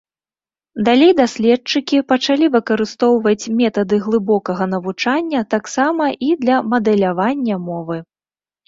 Далей даследчыкі пачалі выкарыстоўваць метады глыбокага навучання таксама і для мадэлявання мовы.